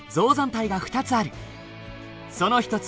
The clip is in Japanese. その一つ